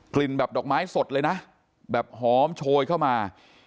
แบบดอกไม้สดเลยนะแบบหอมโชยเข้ามา